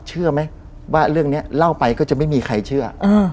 เชื่อไหมว่าเรื่องนี้เล่าไปก็จะไม่มีใครเชื่อ